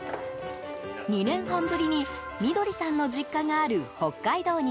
２年半ぶりに緑さんの実家がある北海道に